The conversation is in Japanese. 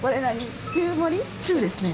中ですね。